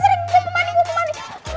gue mau ke mandi